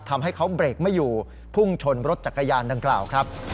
ทำให้เขาเบรกไม่อยู่พุ่งชนรถจักรยานดังกล่าวครับ